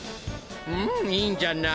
うんいいんじゃない？